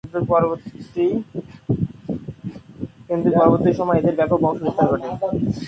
কিন্তু পরবর্তী সময়ে এদের ব্যাপক বংশবিস্তার ঘটে।